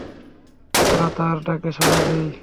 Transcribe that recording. তারা তাঁর ডাকে সাড়া দেয়।